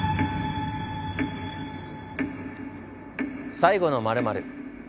「最後の○○」。